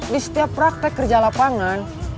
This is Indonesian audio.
di setiap praktek kerja lapangan